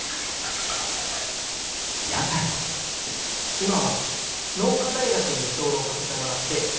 今は農科大学に居候させてもらって研究しています。